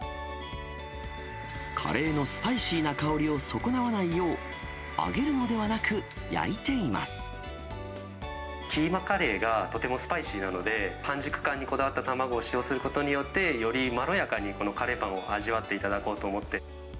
カレーのスパイシーな香りを損なわないよう、キーマカレーがとてもスパイシーなので、半熟感にこだわった卵を使用することによって、よりまろやかにこのカレーパンを味わっていただこうと思って。